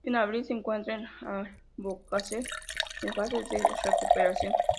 En abril se encuentra en Albocácer, en fase de recuperación.